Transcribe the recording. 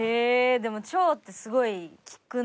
でも腸ってすごい聞くな。